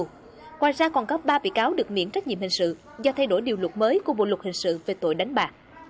ngoài ra còn có ba bị cáo được miễn trách nhiệm hình sự do thay đổi điều luật mới của bộ luật hình sự về tội đánh bạc